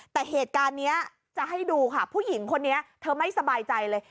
แต่เหตุการณ์นี้จะให้ดูค่ะผู้หญิงคนนี้เธอไม่สบายใจเลย